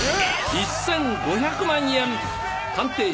１５００万！